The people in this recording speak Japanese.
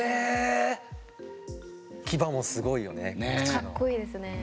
かっこいいですね。